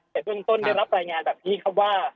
แต่เบื้องต้นได้รับรายงานแบบนี้ครับว่า